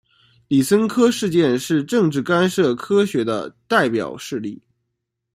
李森科事件是政治干涉科学的代表事例。